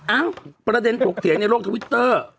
เอ้าประเด็นถกเถียงในโลกทวิตเตอร์